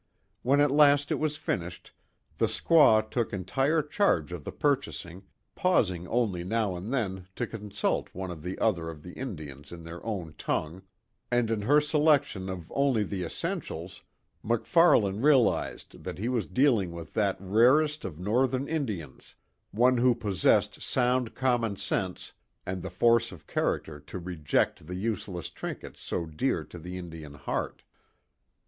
When at last it was finished the squaw took entire charge of the purchasing, pausing only now and then, to consult one or the other of the Indians in their own tongue, and in her selection of only the essentials, MacFarlane realized that he was dealing with that rarest of northern Indians, one who possessed sound common sense and the force of character to reject the useless trinkets so dear to the Indian heart.